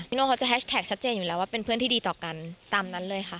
โน่เขาจะแฮชแท็กชัดเจนอยู่แล้วว่าเป็นเพื่อนที่ดีต่อกันตามนั้นเลยค่ะ